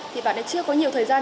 thì bạn ấy chưa có nhiều thời gian